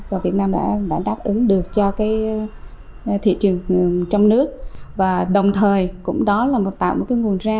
và việt nam đã đáp ứng được cho cái thị trường trong nước và đồng thời cũng đó là tạo một cái nguồn ra